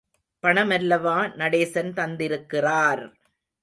பணமல்லவா நடேசன் தந்திருக்கிறார்!